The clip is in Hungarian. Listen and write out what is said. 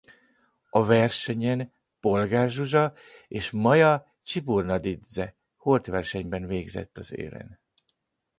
A versenyen Polgár Zsuzsa és Maia Csiburdanidze holtversenyben végzett az élen.